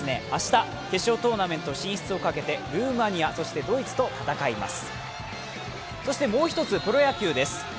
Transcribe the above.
次は明日、決勝トーナメント進出をかけてルーマニア、そしてドイツと戦います。